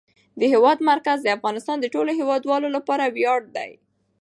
د هېواد مرکز د افغانستان د ټولو هیوادوالو لپاره ویاړ دی.